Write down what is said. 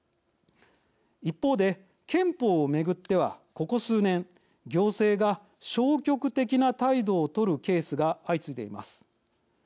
一方で、憲法を巡ってはここ数年、行政が消極的な態度を取るケースが相次いでいます。